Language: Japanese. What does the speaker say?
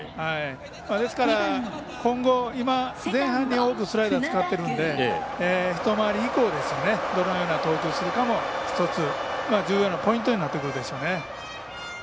ですから、今後今、前半に多くスライダーを使っているので、１回り以降でどのような投球するかも１つ重要なポイントになってくるでしょうね。